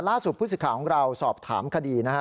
ล่าสุดผู้สิทธิ์ขาของเราสอบถามคดีนะฮะ